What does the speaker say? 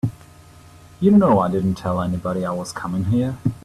You know I didn't tell anybody I was coming here.